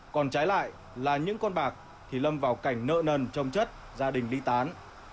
còn trái lại là những con bạc thì lâm vào cảnh nợ nần trông chất gia đình ly tán